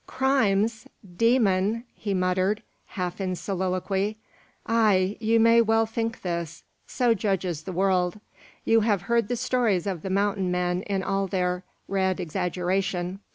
"Crimes! demon!" he muttered, half in soliloquy. "Ay, you may well think this; so judges the world. You have heard the stories of the mountain men in all their red exaggeration.